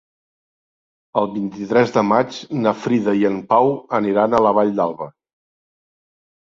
El vint-i-tres de maig na Frida i en Pau aniran a la Vall d'Alba.